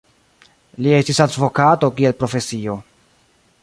Li estis advokato kiel profesio.